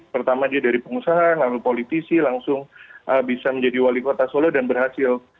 pertama dia dari pengusaha lalu politisi langsung bisa menjadi wali kota solo dan berhasil